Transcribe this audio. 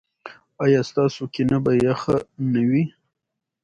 ایا ستاسو کینه به یخه نه وي؟